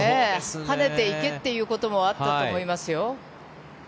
跳ねて池ということもあったと思いますよ。